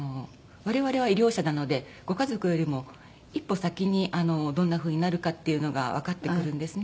我々は医療者なのでご家族よりも一歩先にどんな風になるかっていうのがわかってくるんですね。